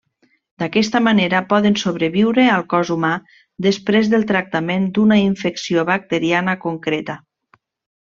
D'aquesta manera, poden sobreviure al cos humà després del tractament d’una infecció bacteriana concreta.